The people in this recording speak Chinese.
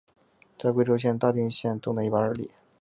在贵州省大定县东南一百二十里。